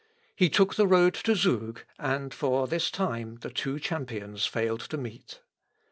He took the road to Zug, and for this time the two champions failed to meet.